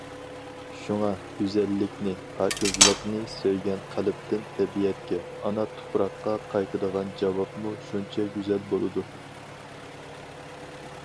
شۇڭا، گۈزەللىكنى، پاكىزلىقنى سۆيگەن قەلبتىن تەبىئەتكە، ئانا تۇپراققا قايتىدىغان جاۋابمۇ شۇنچە گۈزەل بولىدۇ.